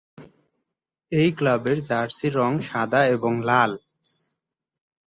এই ক্লাবের জার্সি রং সাদা এবং লাল।